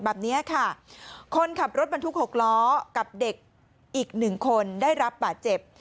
แบบนี้ค่ะคนขับรถบรรทุก๖ล้อกับเด็กอีกหนึ่งคนได้รับบาดเจ็บ